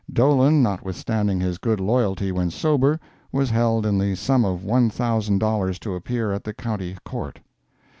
Dolan, notwithstanding his good loyalty when sober, was held in the sum of one thousand dollars to appear at the County Court.